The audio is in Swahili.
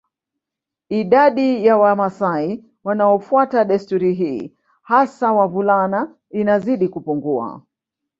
Idadi ya Wamasai wanaofuata desturi hii hasa wavulana inazidi kupungua